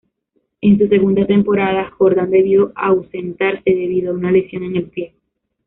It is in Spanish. En su segunda temporada, Jordan debió ausentarse debido a una lesión en el pie.